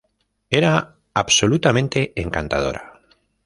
Era absolutamente encantadora".